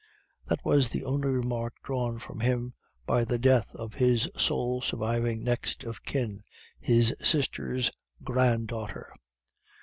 "That was the only remark drawn from him by the death of his sole surviving next of kin, his sister's granddaughter.